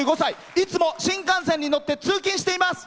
いつも新幹線に乗って通勤しています。